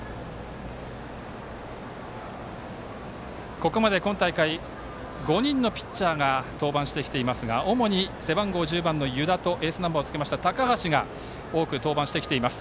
ここまで今大会５人のピッチャーが登板してきていますが主に背番号１０番の湯田とエースナンバーをつけました高橋が多く登板してきています。